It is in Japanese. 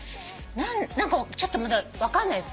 何かちょっとまだ分かんない。